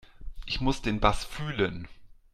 Ich muss den Bass fühlen.